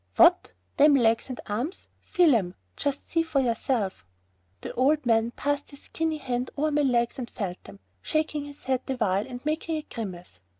"What, them legs and arms? Feel 'em. Just see for yourself." The old man passed his skinny hand over my legs and felt them, shaking his head the while and making a grimace.